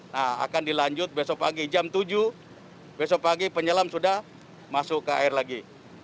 nah akan dilanjut besok pagi jam tujuh besok pagi penyelam sudah masuk ke air lagi